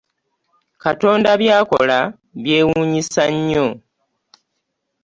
Katonda byakola byewunyisa nnyo.